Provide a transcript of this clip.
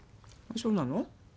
そうなの？